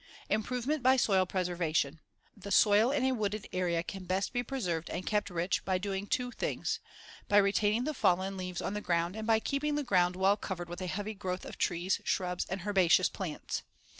Improvement by soil preservation: The soil in a wooded area can best be preserved and kept rich by doing two things; by retaining the fallen leaves on the ground and by keeping the ground well covered with a heavy growth of trees, shrubs and herbaceous plants.